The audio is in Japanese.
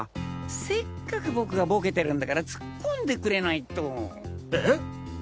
せっかく僕がボケてるんだから突っ込んでくれないと。